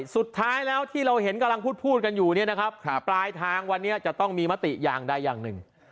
สุดท้ายแล้วที่เราเห็นกำลังพูดกันอยู่เนี่ยนะครับปลายทางวันนี้จะต้องมีมติอย่างใดอย่างหนึ่ง